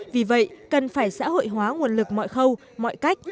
vì vậy cần phải xã hội hóa nguồn lực mọi khâu mọi cách